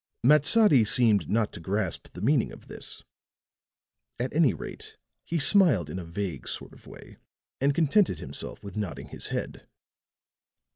Matsadi seemed not to grasp the meaning of this; at any rate he smiled in a vague sort of way and contented himself with nodding his head.